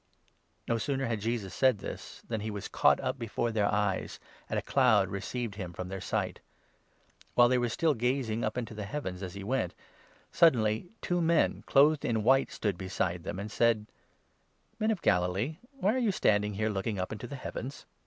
No sooner had Jesus said this than he was caught up before 9 their eyes, and a cloud received him from their sight. While 10 they were still gazing up into the heavens, as he went, suddenly two men, clothed in white, stood beside them, and u said :" Men of Galilee, why are you standing here looking up into the heavens